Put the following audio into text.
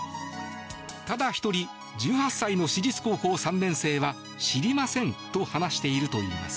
ただ１人１８歳の私立高校３年生は知りませんと話しているといいます。